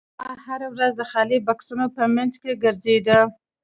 هغه هره ورځ د خالي بکسونو په مینځ کې ګرځیده